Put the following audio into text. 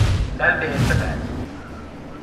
Fel be, tybed?